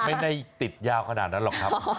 ไม่ได้ติดยาวขนาดนั้นหรอกครับ